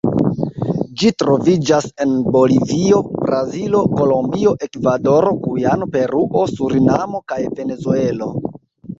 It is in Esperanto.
Ĝi troviĝas en Bolivio, Brazilo, Kolombio, Ekvadoro, Gujano, Peruo, Surinamo kaj Venezuelo.